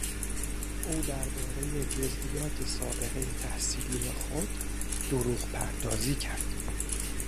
او دربارهی جزییات سابقهی تحصیلی خود دروغ پردازی کرد.